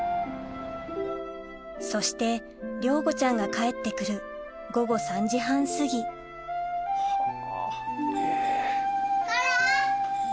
そして亮子ちゃんが帰って来る午後３時半すぎコロ！